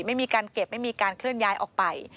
ไม่มีการเก็บไม่มีการเคลื่อนย้ายออกไป